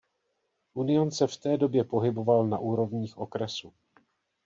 Union se v té době pohyboval na úrovních okresu.